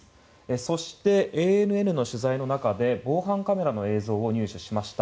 そして、ＡＮＮの取材の中で防犯カメラの映像を入手しました。